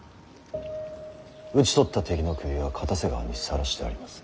討ち取った敵の首は固瀬川にさらしてあります。